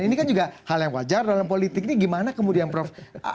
ini kan juga hal yang wajar dalam politik ini gimana kemudian prof